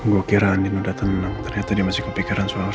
gue kira andin udah tenang ternyata dia masih kepikiran soal rena